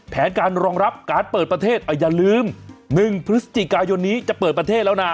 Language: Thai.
แผนการรองรับการเปิดประเทศอย่าลืม๑พฤศจิกายนนี้จะเปิดประเทศแล้วนะ